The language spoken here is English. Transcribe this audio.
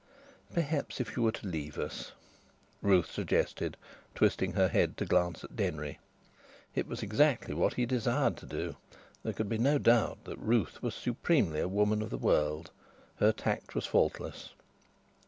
"Perhaps if you were to leave us," Ruth suggested, twisting her head to glance at Denry. It was exactly what he desired to do. There could be no doubt that Ruth was supremely a woman of the world. Her tact was faultless.